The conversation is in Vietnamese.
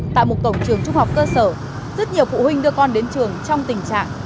tại một cổng trường trung học cơ sở rất nhiều phụ huynh đưa con đến trường trong tình trạng